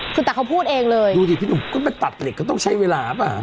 คือแต่เขาพูดเองเลยดูสิพี่หนุ่มก็ไปตัดเหล็กก็ต้องใช้เวลาป่ะ